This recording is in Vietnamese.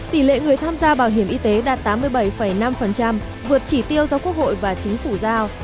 tỷ lệ người tham gia bảo hiểm y tế đạt tám mươi bảy năm vượt chỉ tiêu do quốc hội và chính phủ giao